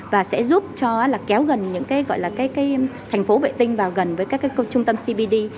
và sẽ giúp cho là kéo gần những cái gọi là cái thành phố vệ tinh vào gần với các trung tâm cbd